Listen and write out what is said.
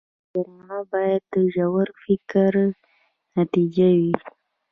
ډرامه باید د ژور فکر نتیجه وي